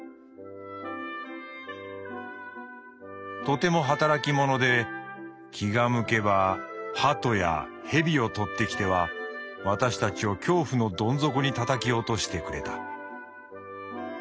「とても働き者で気が向けばハトや蛇を捕ってきては私たちを恐怖のどん底に叩き落としてくれた。